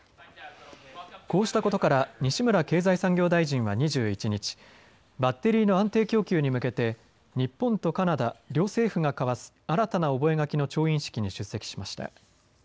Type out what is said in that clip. こうしたことから西村経済産業大臣は２１日、バッテリーの安定供給に向けて日本とカナダ両政府が交わす新たな覚書の調印式に出席しました。